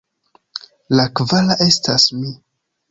La kvara estas mi.